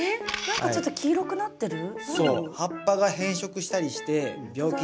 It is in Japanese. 何かちょっと黄色くなってる？